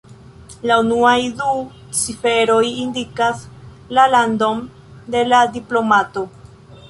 La unuaj du ciferoj indikas la landon de la diplomato.